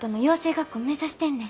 学校目指してんねん。